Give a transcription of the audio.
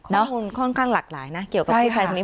ข้อมูลค่อนข้างหลากหลายนะเกี่ยวกับทุกคำ